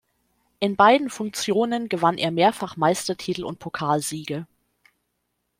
In beiden Funktionen gewann er mehrfach Meistertitel und Pokalsiege.